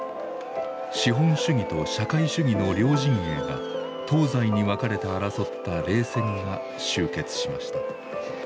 資本主義と社会主義の両陣営が東西に分かれて争った冷戦が終結しました。